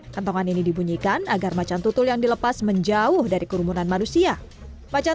kantongan ini dibunyikan agar macan tutul yang dilepas menjauh dari kerumunan manusia macan